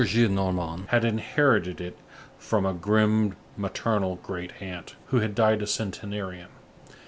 Gillenormand had inherited it from a grim maternal great aunt, who had died a centenarian.